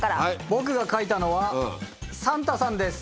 僕が描いたのはサンタさんです。